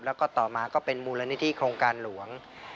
แล้วก็ต่อมาก็เป็นมูลนิธิโครงการหลวง